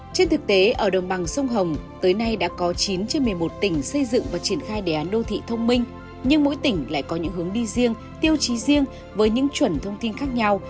trên thực tế ở đồng bằng sông hồng tới nay đã có chín trên một mươi một tỉnh xây dựng và triển khai đề án đô thị thông minh nhưng mỗi tỉnh lại có những hướng đi riêng tiêu chí riêng với những chuẩn thông tin khác nhau